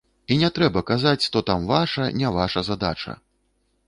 І не трэба казаць, то там ваша, не ваша задача.